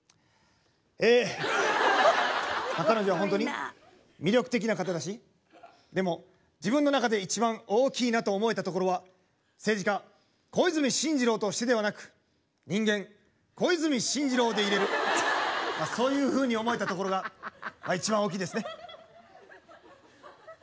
え彼女はホントに魅力的な方だしでも自分の中で一番大きいなと思えたところは政治家小泉進次郎としてではなく人間小泉進次郎でいれるそういうふうに思えたところが一番大きいですね。